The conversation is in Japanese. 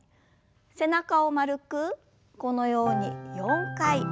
背中を丸くこのように４回ゆすります。